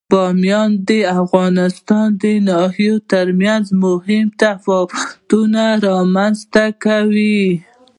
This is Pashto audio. بامیان د افغانستان د ناحیو ترمنځ مهم تفاوتونه رامنځ ته کوي.